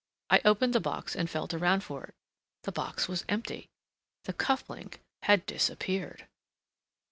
I opened the box and felt around for it. The box was empty—the cuff link had disappeared!